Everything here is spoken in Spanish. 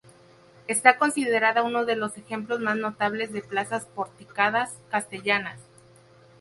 Está considerada uno de los ejemplos más notables de plazas porticadas castellanas.